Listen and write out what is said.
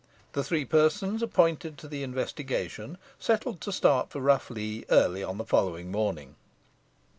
The three persons appointed to the investigation settled to start for Rough Lee early on the following morning.